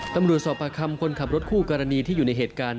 ตำรวจสอบปากคำคนขับรถคู่กรณีที่อยู่ในเหตุการณ์